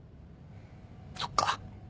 そっか